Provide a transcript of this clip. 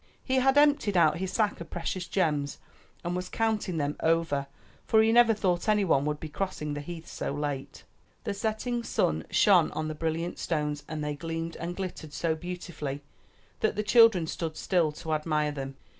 He had emptied out his sack of precious gems and was counting them over, for he never thought anyone would be crossing the heath so late. The setting sun shone on the brilliant stones and they gleamed and glittered so beautifully that the children stood still to admire them.